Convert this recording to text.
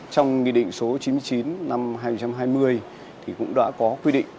trong nghị định số chín mươi chín năm hai nghìn hai mươi thì cũng đã có quy định